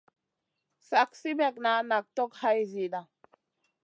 Slak simètna nak tog hay zida.